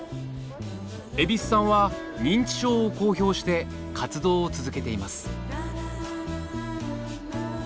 蛭子さんは認知症を公表して活動を続けています。